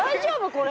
これ。